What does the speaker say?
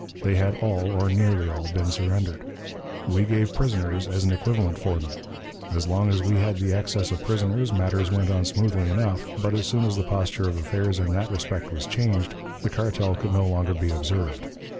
They had all, or nearly all, been surrendered. We gave prisoners as an equivalent for them. As long as we had the excess of prisoners, matters went on smoothly enough; but, as soon as the posture of affairs in that respect was changed, the cartel could no longer be observed.